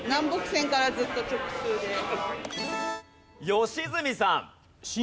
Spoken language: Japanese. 良純さん。